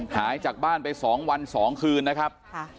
หายจากบ้านไป๒วัน๒คืนนะครับ